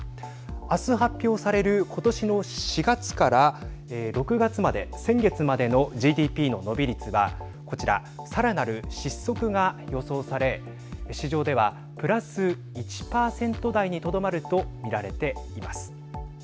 あす発表されることしの４月から６月まで先月までのＧＤＰの伸び率はこちらさらなる失速が予想され市場ではプラス１％台にとどまると見られています。